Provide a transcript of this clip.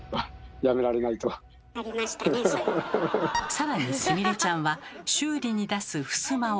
さらにすみれちゃんは修理に出すふすまを。